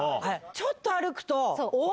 ちょっと歩くと。